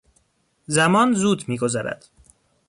زمان زود میگذرد.